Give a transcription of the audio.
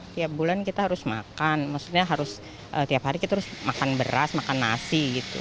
tiap bulan kita harus makan maksudnya harus tiap hari kita harus makan beras makan nasi gitu